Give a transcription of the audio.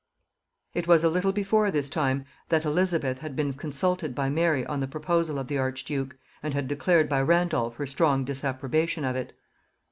It was a little before this time that Elizabeth had been consulted by Mary on the proposal of the archduke, and had declared by Randolph her strong disapprobation of it.